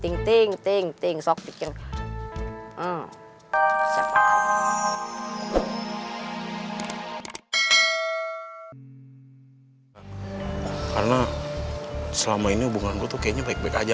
ting ting ting ting sop bikin karena selama ini hubungan gue tuh kayaknya baik baik aja